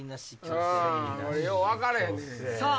よう分からへんねん。